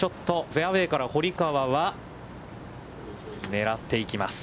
フェアウェイから堀川は狙っていきます。